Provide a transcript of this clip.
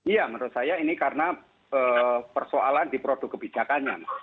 ya menurut saya ini karena persoalan di produk kebijakannya